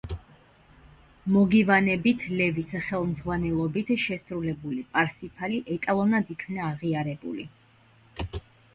მოგივანებით ლევის ხელმძღვანელობით შესრულებული „პარსიფალი“ ეტალონად იქნა აღიარებული.